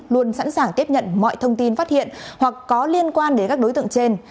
luôn sẵn sàng tiếp nhận mọi thông tin phát hiện hoặc có liên quan đến các đối tượng trên